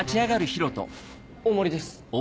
大森です。